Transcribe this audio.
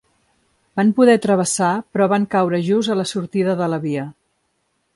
Van poder travessar però van caure just a la sortida de la via.